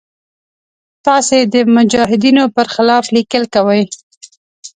تاسې د مجاهدینو پر خلاف لیکل کوئ.